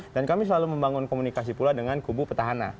dan kami selalu membangun komunikasi pula dengan kubu petahana